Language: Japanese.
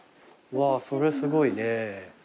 わあそれすごいね。